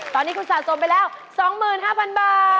ตอนนี้คุณสะสมไปแล้ว๒๕๐๐๐บาท